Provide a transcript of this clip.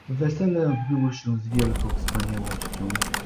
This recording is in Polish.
"Wesele odbyło się z wielką wspaniałością."